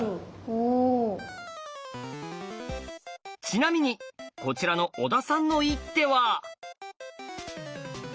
ちなみにこちらの小田さんの一手は。